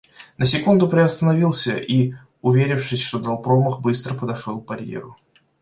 На секунду приостановился и, уверившись, что дал промах, быстро подошел к барьеру.